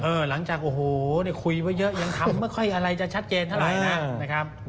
หลังจากโอ้โหคุยไว้เยอะยังทำไม่ค่อยอะไรจะชัดเจนเท่าไหร่นะครับ